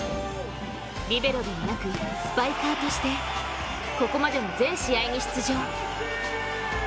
リベロではなくスパイカーとしてここまでの全試合に出場。